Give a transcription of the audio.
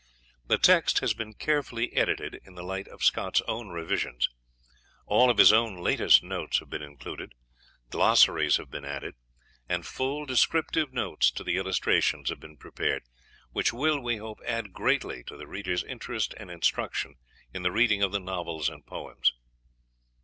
The text has been carefully edited in the light of Scott's own revisions; all of his own latest notes have been included, glossaries have been added, and full descriptive notes to the illustrations have been prepared which will, we hope, add greatly to the reader's interest and instruction in the reading of the novels and poems.